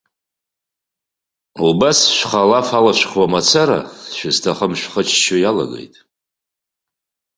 Убас шәхы алаф алышәхуа мацара, шәызҭахым шәхыччо иалагеит.